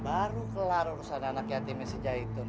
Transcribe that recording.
baru kelar urusan anak yatimnya si jaitun